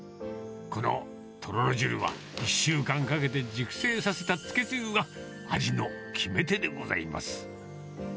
このとろろ汁は、１週間かけて熟成させたつけつゆが、味の決め手でございます。